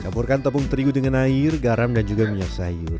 campurkan tepung terigu dengan air garam dan juga minyak sayur